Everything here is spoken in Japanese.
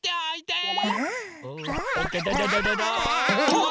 うわ！